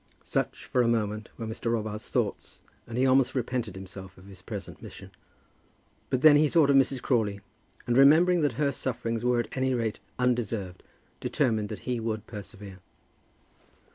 Such, for a moment, were Mr. Robarts' thoughts, and he almost repented himself of his present mission. But then he thought of Mrs. Crawley, and remembering that her sufferings were at any rate undeserved, determined that he would persevere.